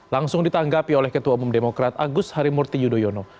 langsung ditanggapi oleh ketua umum demokrat agus harimurti yudhoyono